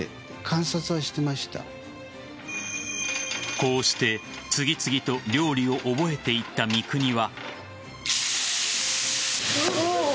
こうして次々と料理を覚えていった三國は。